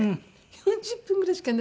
４０分ぐらいしかないの？